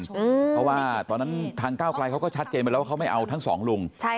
เพราะว่าตอนนั้นทางก้าวไกลเขาก็ชัดเจนไปแล้วว่าเขาไม่เอาทั้งสองลุง